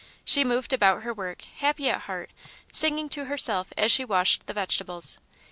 She moved about her work, happy at heart, singing to herself as she washed the vegetables.